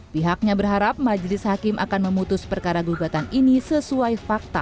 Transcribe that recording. pihaknya berharap majelis hakim akan memutus perkara gugatan ini sesuai fakta